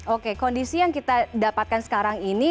oke kondisi yang kita dapatkan sekarang ini